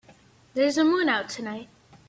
There's a moon out tonight.